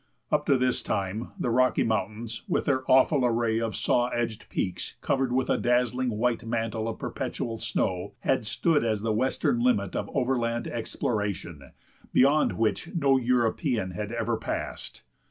Up to this time the Rocky Mountains, with their awful array of saw edged peaks covered with a dazzling white mantle of perpetual snow, had stood as the western limit of overland exploration, beyond which no European had ever passed.